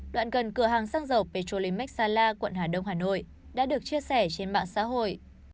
đoạn gần cửa hàng xăng dầu petrolimex sala quận hà đông hà nội đã được chia sẻ trên mạng xã hội